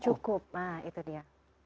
cukup nah itu dia